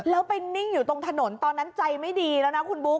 แล้วไปนิ่งอยู่ตรงถนนตอนนั้นใจไม่ดีแล้วนะคุณบุ๊